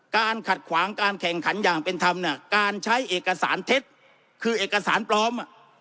ขัดขวางการแข่งขันอย่างเป็นธรรมเนี่ยการใช้เอกสารเท็จคือเอกสารปลอม